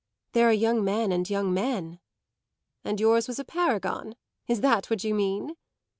There are young men and young men." "And yours was a paragon is that what you mean?"